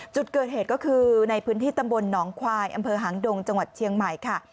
จุดเกิดเหตุก็คือในพื้นที่ตำบลหนองควายอำเภอหางดงจังหวัดเชียงใหม่ค่ะ